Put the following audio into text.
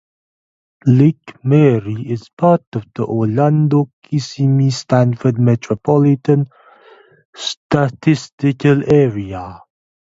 Lake Mary is part of the Orlando-Kissimmee-Sanford Metropolitan Statistical Area.